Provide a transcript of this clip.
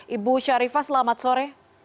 ibu sharifah selamat sore